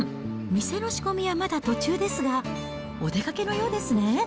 店の仕込みはまだ途中ですが、お出かけのようですね。